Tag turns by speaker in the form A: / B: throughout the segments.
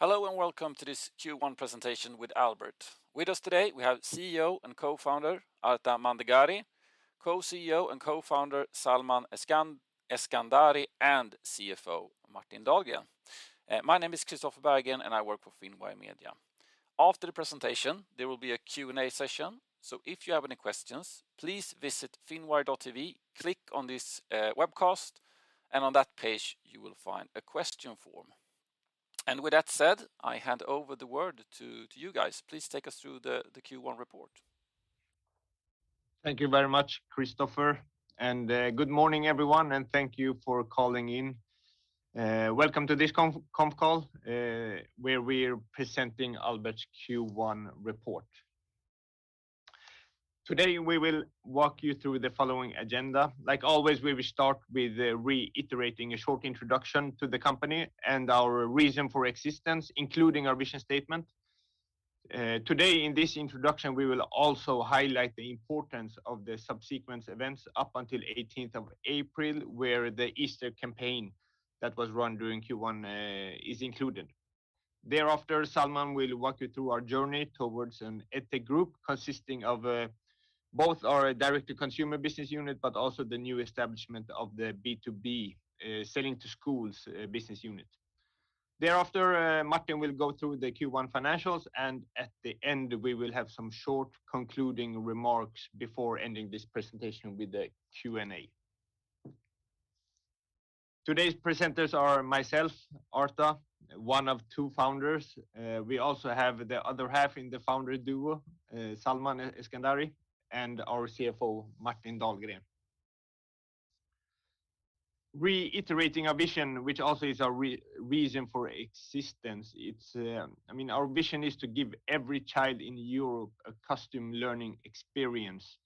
A: Hello, and welcome to this Q1 presentation with Albert. With us today we have CEO and co-founder Arta Mandegari, co-CEO and co-founder Salman Eskandari, and CFO Martin Dahlgren. My name is Christopher Berggren, and I work for Finwire Media. After the presentation, there will be a Q and A session, so if you have any questions, please visit finwire.tv, click on this webcast, and on that page you will find a question form. With that said, I hand over the word to you guys. Please take us through the Q1 report.
B: Thank you very much, Christopher. Good morning, everyone, and thank you for calling in. Welcome to this conference call, where we're presenting Albert's Q1 report. Today, we will walk you through the following agenda. Like always, we will start with reiterating a short introduction to the company and our reason for existence, including our vision statement. Today in this introduction, we will also highlight the importance of the subsequent events up until 18th of April, where the Easter campaign that was run during Q1 is included. Thereafter, Salman will walk you through our journey towards an EdTech group consisting of both our direct to consumer business unit, but also the new establishment of the B2B selling to schools business unit. Thereafter, Martin will go through the Q1 financials, and at the end, we will have some short concluding remarks before ending this presentation with the Q and A. Today's presenters are myself, Arta, one of two founders. We also have the other half in the founder duo, Salman Eskandari, and our CFO, Martin Dahlgren. Reiterating our vision, which also is our reason for existence. I mean, our vision is to give every child in Europe a custom learning experience,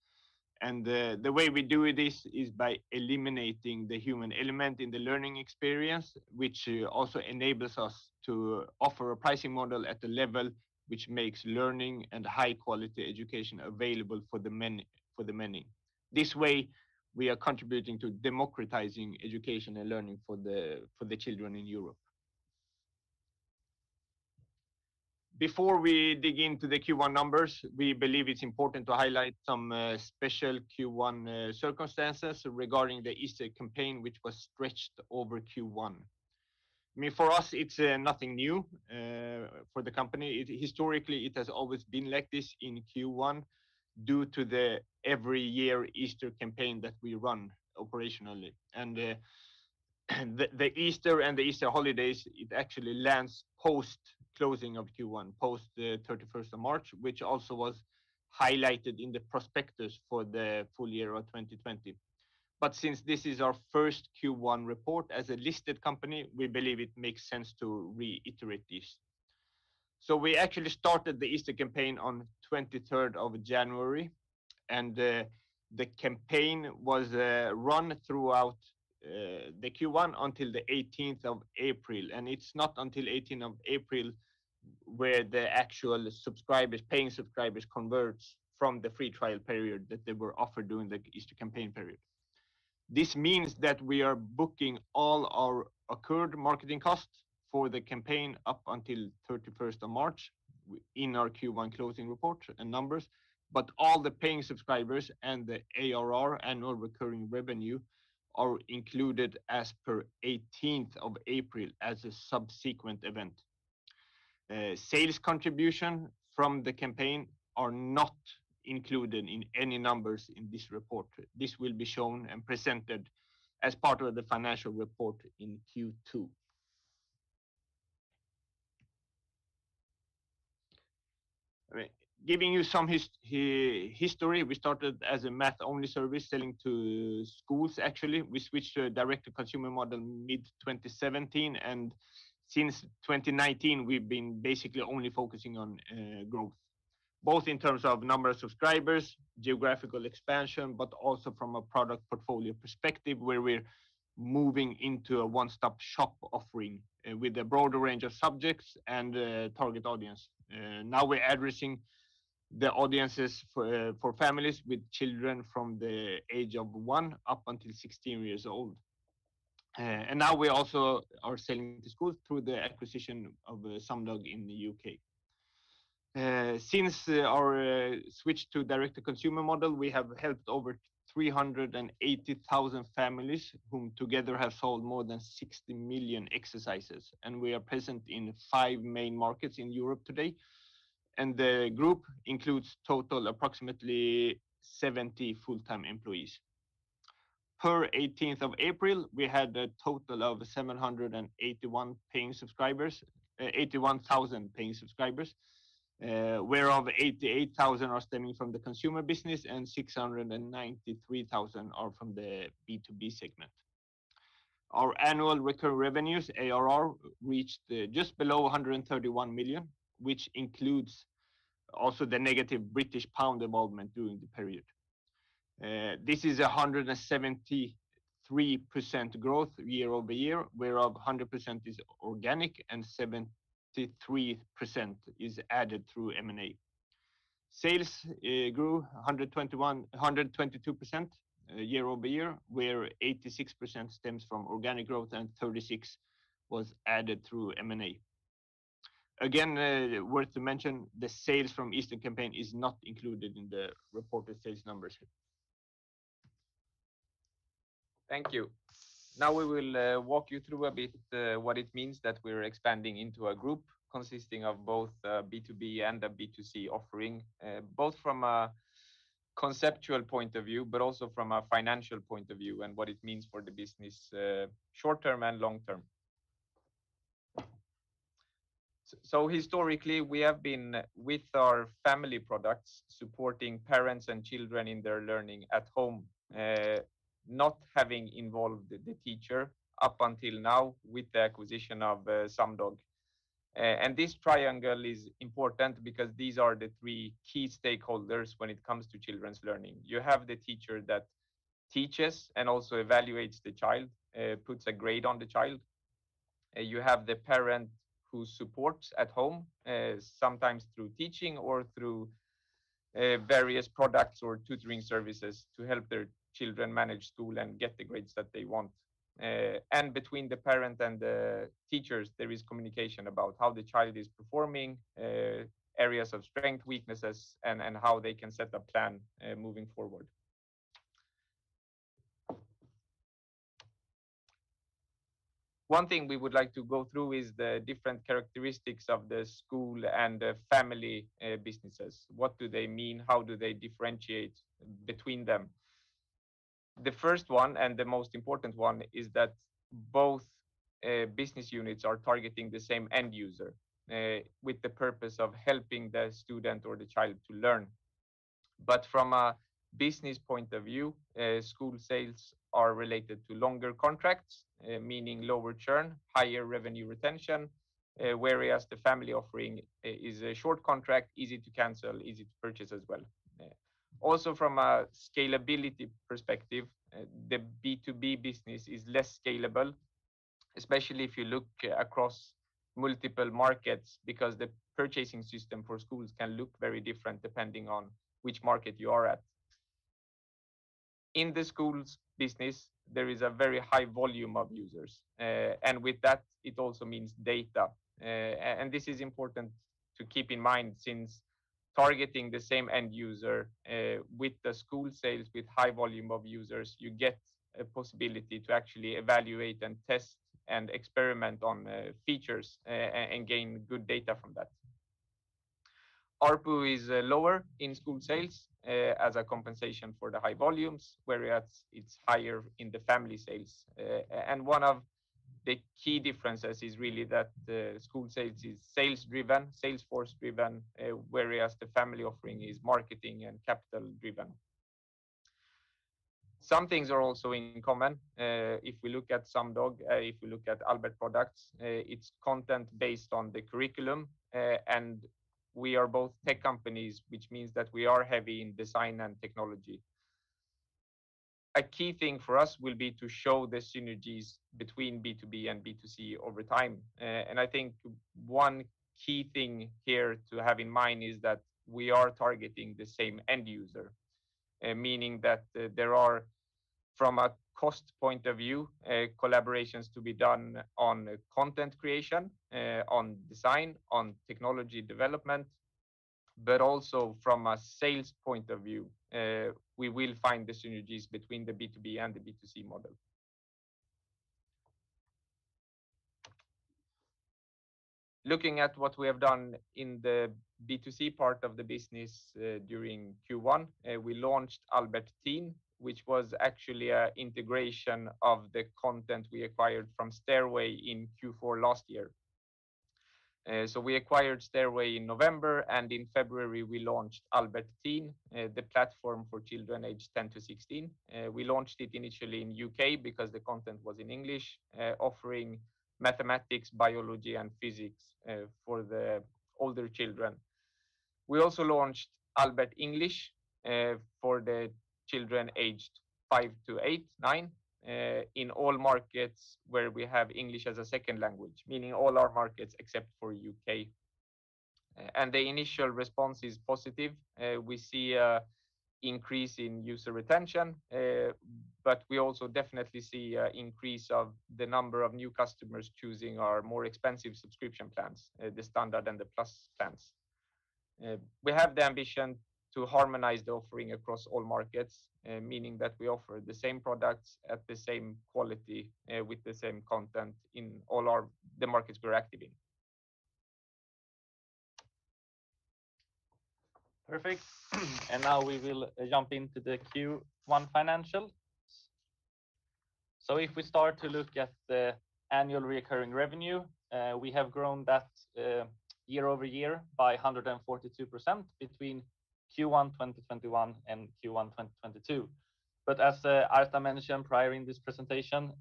B: and the way we do this is by eliminating the human element in the learning experience, which also enables us to offer a pricing model at a level which makes learning and high quality education available for the many, for the many. This way, we are contributing to democratizing education and learning for the children in Europe. Before we dig into the Q1 numbers, we believe it's important to highlight some special Q1 circumstances regarding the Easter campaign, which was stretched over Q1. I mean, for us, it's nothing new for the company. Historically, it has always been like this in Q1 due to the every year Easter campaign that we run operationally. The Easter and the Easter holidays, it actually lands post-closing of Q1, post the 31st of March, which also was highlighted in the prospectus for the full year of 2020. Since this is our first Q1 report as a listed company, we believe it makes sense to reiterate this. We actually started the Easter campaign on 23rd of January, and the campaign was run throughout the Q1 until the 18th of April. It's not until April 18 where the actual subscribers, paying subscribers, convert from the free trial period that they were offered during the Easter campaign period. This means that we are booking all our incurred marketing costs for the campaign up until March 31 in our Q1 closing report and numbers, but all the paying subscribers and the ARR, Annual Recurring Revenue, are included as per April 18 as a subsequent event. Sales contribution from the campaign are not included in any numbers in this report. This will be shown and presented as part of the financial report in Q2. All right. Giving you some history, we started as a math-only service selling to schools actually. We switched to a direct-to-consumer model mid-2017, and since 2019, we've been basically only focusing on growth, both in terms of number of subscribers, geographical expansion, but also from a product portfolio perspective, where we're moving into a one-stop shop offering with a broader range of subjects and a target audience. Now we're addressing the audiences for families with children from the age of one up until 16 years old. Now we also are selling to schools through the acquisition of Sumdog in the U.K.. Since our switch to direct-to-consumer model, we have helped over 380,000 families whom together have solved more than 60 million exercises, and we are present in five main markets in Europe today. The group includes total approximately 70 full-time employees. As of April 18, we had a total of 781,000 paying subscribers, whereof 88,000 are stemming from the consumer business, and 693,000 are from the B2B segment. Our annual recurring revenues, ARR, reached just below 131 million, which includes also the negative British pound involvement during the period. This is 173% growth year-over-year, whereof 100% is organic and 73% is added through M&A. Sales grew 122%, year-over-year, where 86% stems from organic growth and 36% was added through M&A. Again, worth to mention, the sales from Easter Campaign is not included in the reported sales numbers.
C: Thank you. Now we will walk you through a bit what it means that we're expanding into a group consisting of both B2B and a B2C offering, both from a conceptual point of view, but also from a financial point of view and what it means for the business, short-term and long-term. Historically, we have been with our family products supporting parents and children in their learning at home, not having involved the teacher up until now with the acquisition of Sumdog. This triangle is important because these are the three key stakeholders when it comes to children's learning. You have the teacher that teaches and also evaluates the child, puts a grade on the child. You have the parent who supports at home, sometimes through teaching or through various products or tutoring services to help their children manage school and get the grades that they want. Between the parent and the teachers, there is communication about how the child is performing, areas of strength, weaknesses, and how they can set a plan, moving forward. One thing we would like to go through is the different characteristics of the school and the family businesses. What do they mean? How do they differentiate between them? The first one, and the most important one, is that both business units are targeting the same end user, with the purpose of helping the student or the child to learn. From a business point of view, school sales are related to longer contracts, meaning lower churn, higher revenue retention, whereas the family offering is a short contract, easy to cancel, easy to purchase as well. Also from a scalability perspective, the B2B business is less scalable, especially if you look across multiple markets because the purchasing system for schools can look very different depending on which market you are at. In the schools business, there is a very high volume of users. And with that, it also means data. This is important to keep in mind since targeting the same end user, with the school sales with high volume of users, you get a possibility to actually evaluate, and test, and experiment on, features and gain good data from that. ARPU is lower in school sales as a compensation for the high volumes, whereas it's higher in the family sales. One of the key differences is really that the school sales is sales-driven, sales force-driven, whereas the family offering is marketing and capital-driven. Some things are also in common. If we look at Sumdog, if we look at Albert Products, it's content based on the curriculum. We are both tech companies, which means that we are heavy in design and technology. A key thing for us will be to show the synergies between B2B and B2C over time. I think one key thing here to have in mind is that we are targeting the same end user, meaning that there are from a cost point of view collaborations to be done on content creation, on design, on technology development. Also from a sales point of view, we will find the synergies between the B2B and the B2C model. Looking at what we have done in the B2B part of the business, during Q1, we launched Albert Teen, which was actually an integration of the content we acquired from Stairway Learning in Q4 last year. We acquired Stairway Learning in November, and in February, we launched Albert Teen, the platform for children aged 10 to 16. We launched it initially in U.K. because the content was in English, offering mathematics, biology, and physics for the older children. We also launched Albert English for the children aged five to eight, nine in all markets where we have English as a second language, meaning all our markets except for U.K. The initial response is positive. We see an increase in user retention, but we also definitely see an increase of the number of new customers choosing our more expensive subscription plans, the standard and the plus plans. We have the ambition to harmonize the offering across all markets, meaning that we offer the same products at the same quality, with the same content in all our markets we're active in.
D: Perfect. Now we will jump into the Q1 financials. If we start to look at the annual recurring revenue, we have grown that year-over-year by 142% between Q1 2021 and Q1 2022. As Arta mentioned prior in this presentation,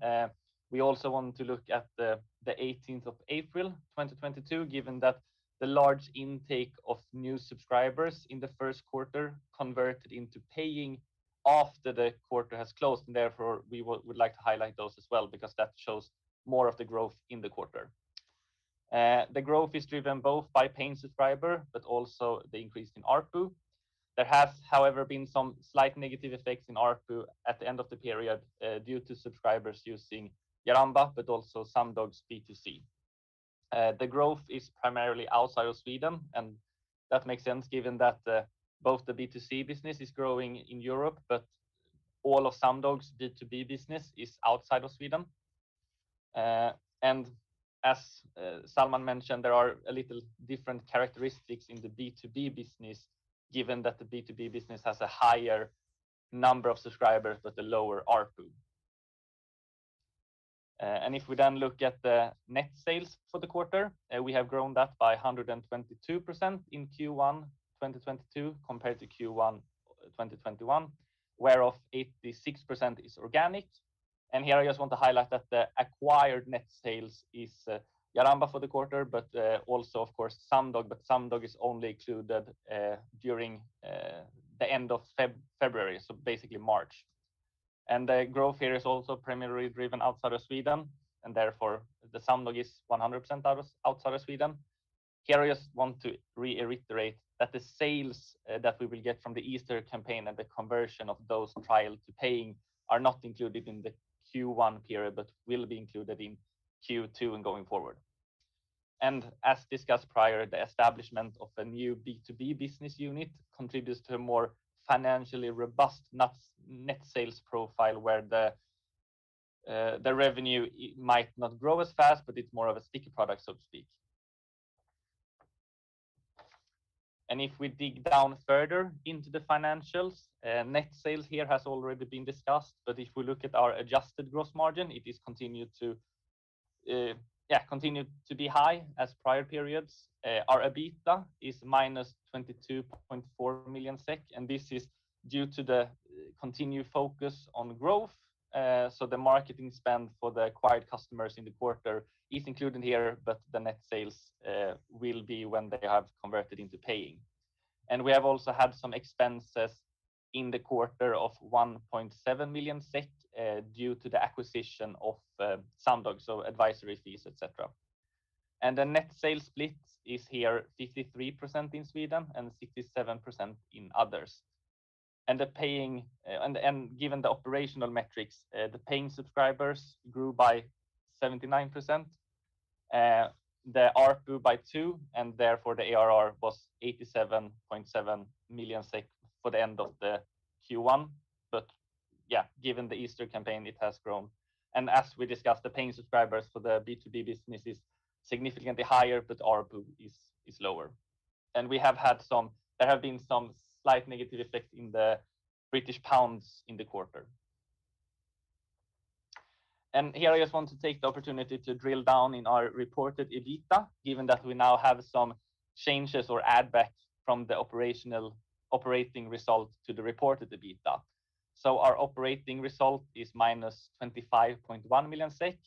D: we also want to look at the 18th of April 2022, given that the large intake of new subscribers in the first quarter converted into paying after the quarter has closed. Therefore, we would like to highlight those as well because that shows more of the growth in the quarter. The growth is driven both by paying subscriber, but also the increase in ARPU. There has, however, been some slight negative effects in ARPU at the end of the period, due to subscribers using Jaramba, but also Sumdog's B2C. The growth is primarily outside of Sweden, and that makes sense given that both the B2C business is growing in Europe, but all of Sumdog's B2B business is outside of Sweden. As Salman mentioned, there are a little different characteristics in the B2B business, given that the B2B business has a higher number of subscribers but a lower ARPU. If we then look at the net sales for the quarter, we have grown that by 122% in Q1 2022 compared to Q1 2021, whereof 86% is organic. Here I just want to highlight that the acquired net sales is Jaramba for the quarter, but also of course Sumdog, but Sumdog is only included during the end of February, so basically March. The growth here is also primarily driven outside of Sweden, and therefore Sumdog is 100% outside of Sweden. Here I just want to reiterate that the sales that we will get from the Easter campaign and the conversion of those trial to paying are not included in the Q1 period but will be included in Q2 and going forward. As discussed prior, the establishment of a new B2B business unit contributes to a more financially robust net sales profile where the revenue might not grow as fast, but it's more of a sticky product, so to speak. If we dig down further into the financials, net sales here has already been discussed, but if we look at our adjusted gross margin, it continued to be high as prior periods. Our EBITDA is -22.4 million SEK, and this is due to the continued focus on growth. The marketing spend for the acquired customers in the quarter is included here, but the net sales will be when they have converted into paying. We have also had some expenses in the quarter of 1.7 million SEK due to the acquisition of Sumdog, so advisory fees, et cetera. The net sales split is 53% in Sweden and 67% in others. Given the operational metrics, the paying subscribers grew by 79%. The ARPU by two, and therefore the ARR was 87.7 million SEK for the end of Q1. Yeah, given the Easter campaign, it has grown. As we discussed, the paying subscribers for the B2B business is significantly higher, but ARPU is lower. There have been some slight negative effects in the British pound in the quarter. Here I just want to take the opportunity to drill down in our reported EBITDA, given that we now have some changes or add back from the operating result to the reported EBITDA. Our operating result is -25.1 million SEK,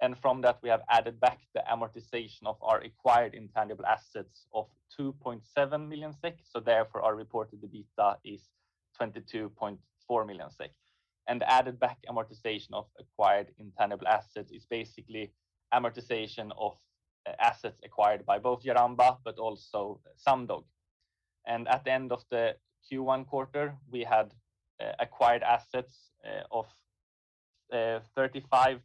D: and from that we have added back the amortization of our acquired intangible assets of 2.7 million SEK. Therefore our reported EBITDA is 22.4 million SEK. The added back amortization of acquired intangible assets is basically amortization of assets acquired by both Jaramba but also Sumdog. At the end of the Q1 quarter, we had acquired assets of 35.8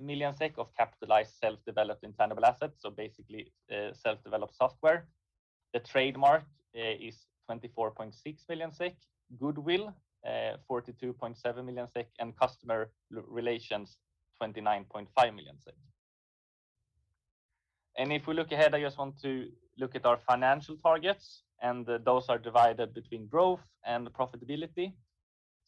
D: million SEK of capitalized self-developed intangible assets, so basically self-developed software. The trademark is 24.6 million SEK. Goodwill, 42.7 million SEK. Customer relations, 29.5 million SEK . If we look ahead, I just want to look at our financial targets, and those are divided between growth and profitability.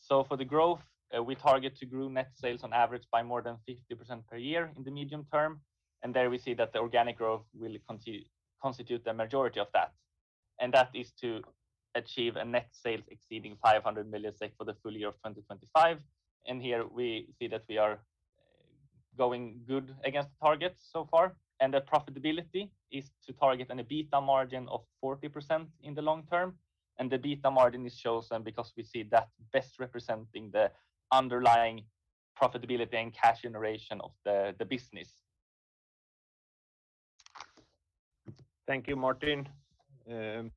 D: For the growth, we target to grow net sales on average by more than 50% per year in the medium term. There we see that the organic growth will constitute the majority of that. That is to achieve net sales exceeding 500 million SEK for the full year of 2025. Here we see that we are going good against the targets so far. The profitability is to target an EBITDA margin of 40% in the long term. The EBITDA margin is chosen because we see that best representing the underlying profitability and cash generation of the business.
B: Thank you, Martin. I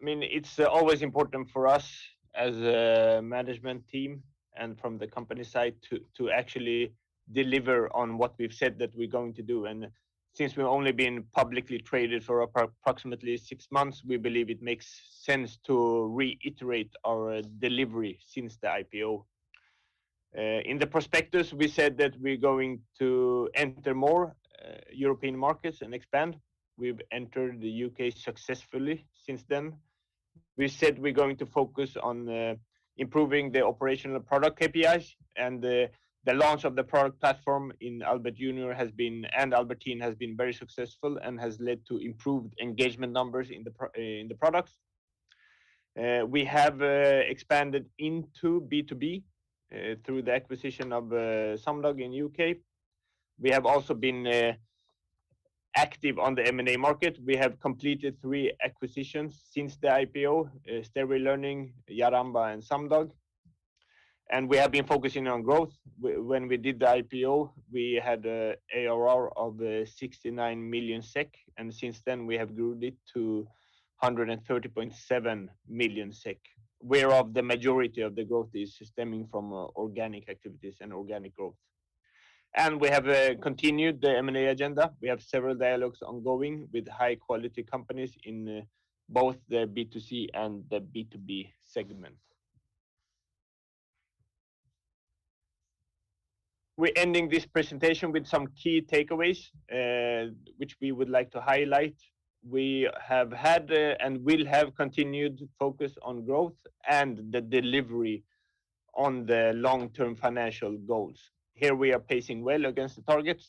B: mean, it's always important for us as a management team and from the company side to actually deliver on what we've said that we're going to do. Since we've only been publicly traded for approximately six months, we believe it makes sense to reiterate our delivery since the IPO. In the prospectus, we said that we're going to enter more European markets and expand. We've entered the U.K. successfully since then. We said we're going to focus on improving the operational product KPIs, and the launch of the product platform in Albert Junior and Albert Teen has been very successful and has led to improved engagement numbers in the products. We have expanded into B2B through the acquisition of Sumdog in U.K.. We have also been active on the M&A market. We have completed three acquisitions since the IPO, Stairway Learning, Jaramba, and Sumdog. We have been focusing on growth. When we did the IPO, we had an ARR of 69 million SEK, and since then we have grew it to 130.7 million SEK, whereof the majority of the growth is stemming from organic activities and organic growth. We have continued the M&A agenda. We have several dialogues ongoing with high-quality companies in both the B2C and the B2B segment. We're ending this presentation with some key takeaways, which we would like to highlight. We have had and will have continued focus on growth and the delivery on the long-term financial goals. Here we are pacing well against the targets,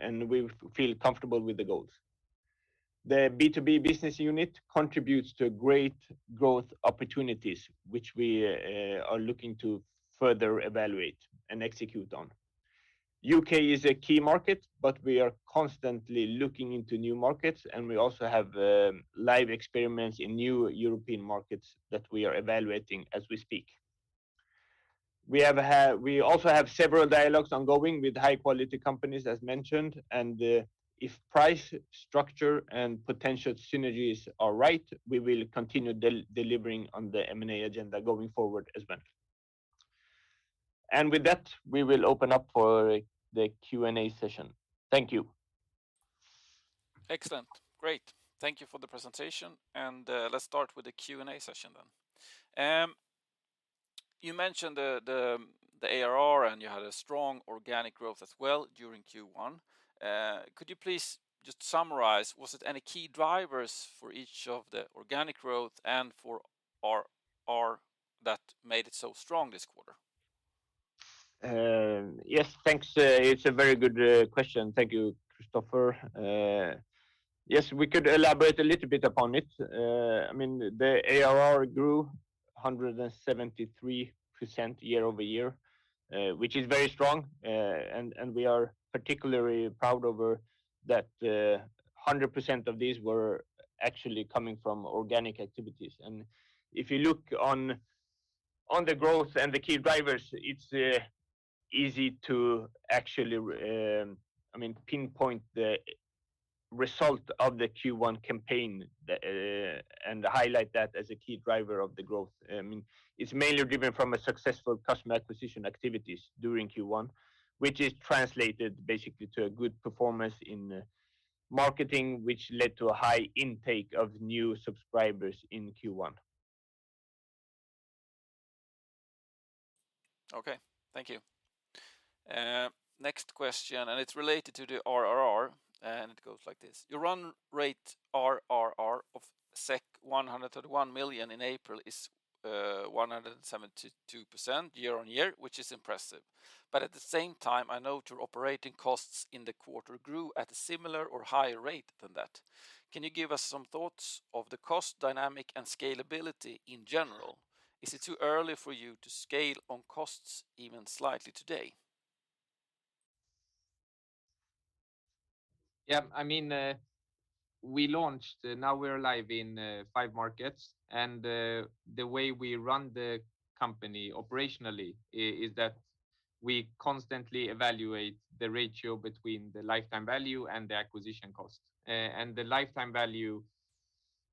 B: and we feel comfortable with the goals. The B2B business unit contributes to great growth opportunities, which we are looking to further evaluate and execute on. U.K. is a key market, but we are constantly looking into new markets, and we also have live experiments in new European markets that we are evaluating as we speak. We also have several dialogues ongoing with high-quality companies, as mentioned, and if price structure and potential synergies are right, we will continue delivering on the M&A agenda going forward as well. With that, we will open up for the Q and A session. Thank you.
A: Excellent. Great. Thank you for the presentation, and let's start with the Q and A session then. You mentioned the ARR and you had a strong organic growth as well during Q1. Could you please just summarize what are the key drivers for the organic growth and for ARR that made it so strong this quarter?
B: Yes. Thanks. It's a very good question. Thank you, Christopher. Yes, we could elaborate a little bit upon it. I mean, the ARR grew 173% year-over-year, which is very strong. And we are particularly proud over that, 100% of these were actually coming from organic activities. And if you look on the growth and the key drivers, it's easy to actually pinpoint the result of the Q1 campaign and highlight that as a key driver of the growth. I mean, it's mainly driven from a successful customer acquisition activities during Q1, which is translated basically to a good performance in marketing, which led to a high intake of new subscribers in Q1.
A: Okay. Thank you. Next question, it's related to the ARR, and it goes like this: Your run rate ARR of 131 million in April is 172% year-on-year, which is impressive. But at the same time, I know your operating costs in the quarter grew at a similar or higher rate than that. Can you give us some thoughts on the cost dynamic and scalability in general? Is it too early for you to scale on costs even slightly today?
D: Yeah. I mean, we launched, now we're live in five markets, and the way we run the company operationally is that we constantly evaluate the ratio between the lifetime value and the acquisition cost. The lifetime value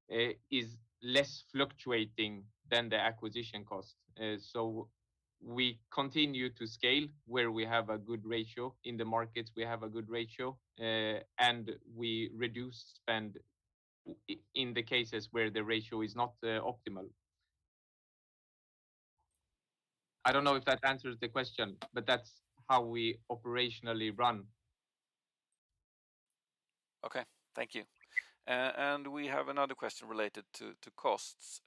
D: is less fluctuating than the acquisition cost. We continue to scale where we have a good ratio. In the markets we have a good ratio, and we reduce spend in the cases where the ratio is not optimal. I don't know if that answers the question, but that's how we operationally run.
A: Okay. Thank you. We have another question related to costs.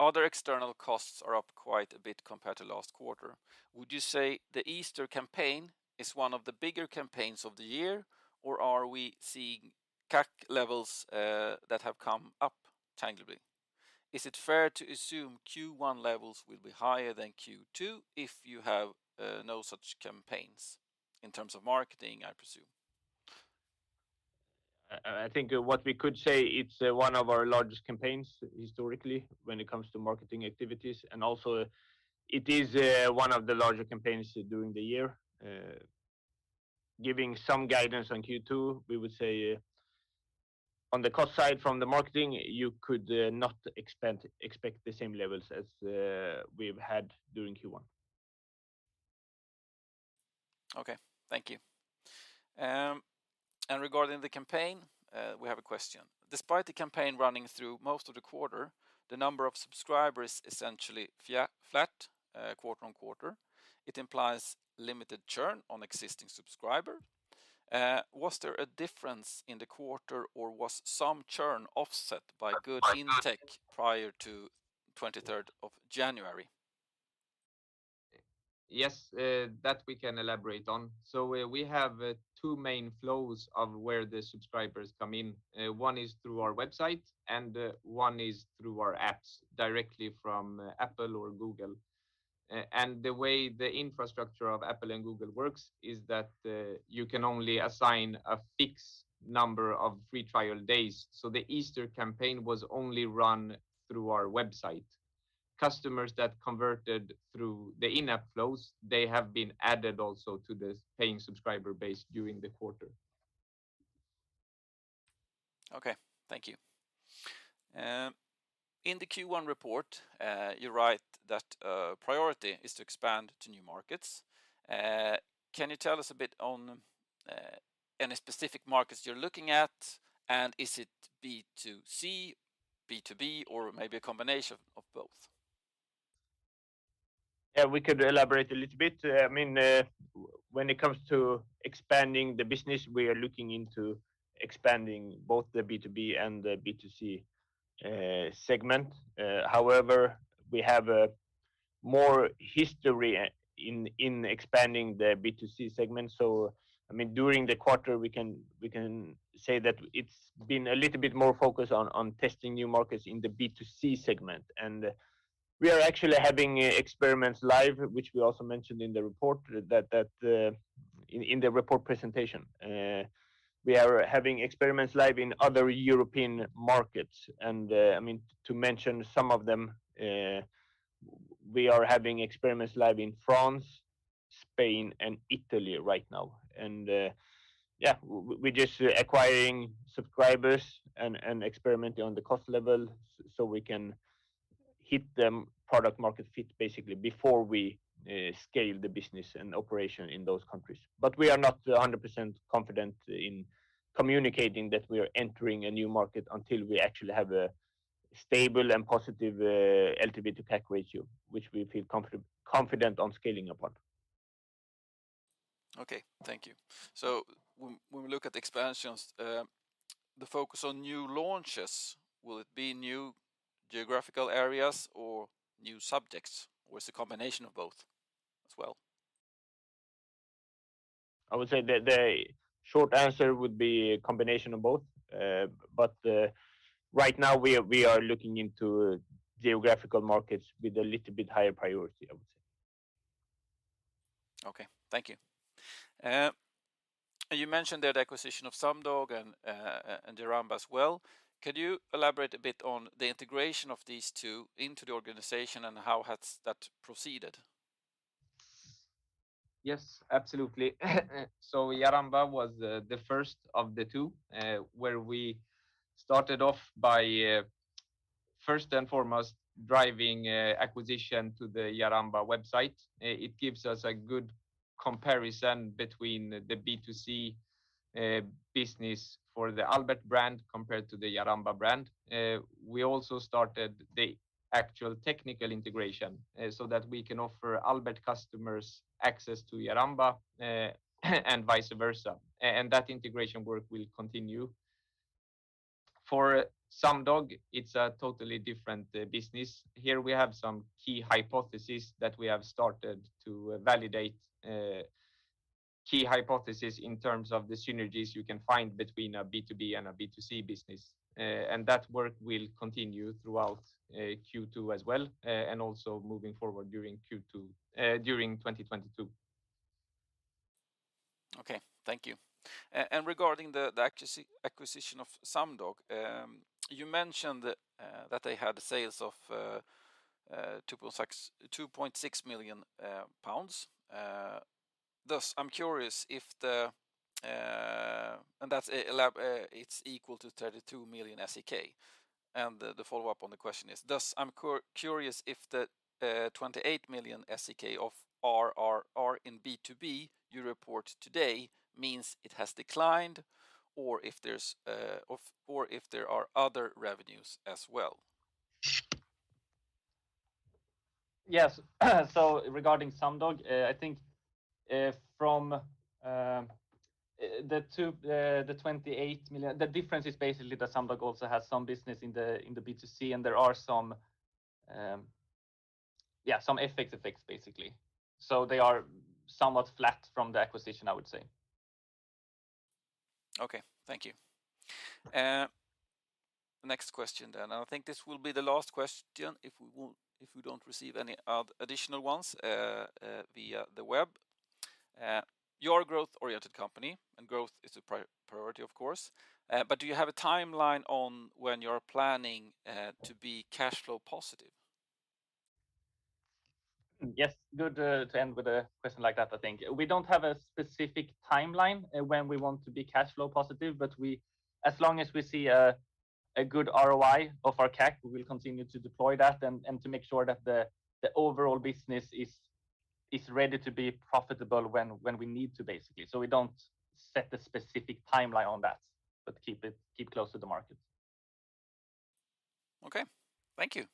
A: Other external costs are up quite a bit compared to last quarter. Would you say the Easter campaign is one of the bigger campaigns of the year, or are we seeing CAC levels that have come up tangibly? Is it fair to assume Q1 levels will be higher than Q2 if you have no such campaigns in terms of marketing, I presume?
D: I think what we could say, it's one of our largest campaigns historically when it comes to marketing activities, and also it is one of the larger campaigns during the year. Giving some guidance on Q2, we would say on the cost side from the marketing, you could not expect the same levels as we've had during Q1.
A: Okay. Thank you. Regarding the campaign, we have a question. Despite the campaign running through most of the quarter, the number of subscribers essentially flat, quarter-over-quarter, it implies limited churn on existing subscriber. Was there a difference in the quarter, or was some churn offset by good intake prior to 23rd of January?
B: Yes, that we can elaborate on. We have two main flows of where the subscribers come in. One is through our website, and one is through our apps directly from Apple or Google. The way the infrastructure of Apple and Google works is that you can only assign a fixed number of free trial days. The Easter campaign was only run through our website. Customers that converted through the in-app flows. They have been added also to this paying subscriber base during the quarter.
A: Okay. Thank you. In the Q1 report, you write that priority is to expand to new markets. Can you tell us a bit on any specific markets you're looking at, and is it B2C, B2B, or maybe a combination of both?
C: Yeah, we could elaborate a little bit. I mean, when it comes to expanding the business, we are looking into expanding both the B2B and the B2C segment. However, we have more history in expanding the B2C segment. I mean, during the quarter, we can say that it's been a little bit more focused on testing new markets in the B2C segment. We are actually having experiments live, which we also mentioned in the report that in the report presentation. We are having experiments live in other European markets, and I mean, to mention some of them, we are having experiments live in France, Spain, and Italy right now. We're just acquiring subscribers and experimenting on the cost level so we can hit the product market fit basically before we scale the business and operation in those countries. We are not 100% confident in communicating that we are entering a new market until we actually have a stable and positive LTV to CAC ratio, which we feel confident on scaling upon.
A: Okay. Thank you. When we look at expansions, the focus on new launches, will it be new geographical areas or new subjects, or it's a combination of both as well?
B: I would say the short answer would be a combination of both. Right now we are looking into geographical markets with a little bit higher priority, I would say.
A: Okay. Thank you. You mentioned the acquisition of Sumdog and Jaramba as well. Could you elaborate a bit on the integration of these two into the organization and how has that proceeded?
B: Yes, absolutely. Jaramba was the first of the two, where we started off by first and foremost driving acquisition to the Jaramba website. It gives us a good comparison between the B2C business for the Albert brand compared to the Jaramba brand. We also started the actual technical integration, so that we can offer Albert customers access to Jaramba and vice versa. That integration work will continue. For Sumdog, it's a totally different business. Here we have some key hypotheses that we have started to validate, key hypotheses in terms of the synergies you can find between a B2B and a B2C business. That work will continue throughout Q2 as well and also moving forward during 2022.
A: Okay. Thank you. Regarding the acquisition of Sumdog, you mentioned that they had sales of 2.6 million pounds. Thus, I'm curious. That's a lot, it's equal to 32 million SEK. The follow-up on the question is, thus, I'm curious if the 28 million SEK of ARR in B2B you report today means it has declined or if there are other revenues as well.
D: Yes. Regarding Sumdog, I think from the 28 million, the difference is basically that Sumdog also has some business in the B2C, and there are some FX effects, basically. They are somewhat flat from the acquisition, I would say.
A: Okay. Thank you. Next question. I think this will be the last question if we don't receive any additional ones via the web. You're a growth-oriented company, and growth is a priority, of course. Do you have a timeline on when you're planning to be cash flow positive?
B: Yes. Good to end with a question like that, I think. We don't have a specific timeline when we want to be cash flow positive, but as long as we see a good ROI of our CAC, we will continue to deploy that and to make sure that the overall business is ready to be profitable when we need to, basically. We don't set a specific timeline on that, but keep it close to the market.
A: Okay. Thank you.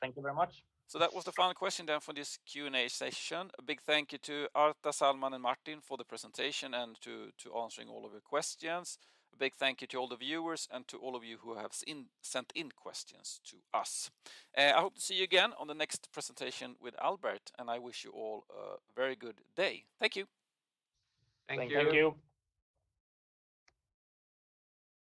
B: Thank you very much.
A: That was the final question then for this Q&A session. A big thank you to Arta, Salman, and Martin for the presentation and to answering all of your questions. A big thank you to all the viewers and to all of you who have sent in questions to us. I hope to see you again on the next presentation with Albert, and I wish you all a very good day. Thank you.
B: Thank you.
D: Thank you.
B: Thank you.